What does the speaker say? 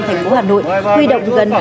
thành phố hà nội huy động gần